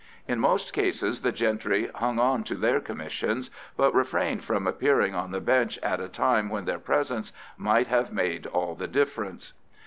In most cases the gentry hung on to their commissions, but refrained from appearing on the Bench at a time when their presence might have made all the difference.